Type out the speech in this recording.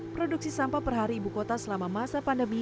produksi sampah per hari ibu kota selama masa pandemi